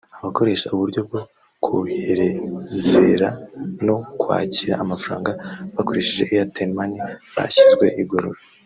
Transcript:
Abakoresha uburyo bwo koherezera no kwakira amafaranga bakoresheje Airtel money bashyizwe igorora